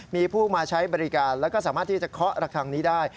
มีผู้มาใช้บริการแล้วก็สามารถที่จะเคาะระคังนี้ได้